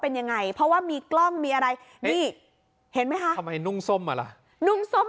เป็นยังไงเพราะว่ามีกล้องมีอะไรนี่เห็นไหมคะทำไมนุ่งส้มอ่ะล่ะนุ่งส้ม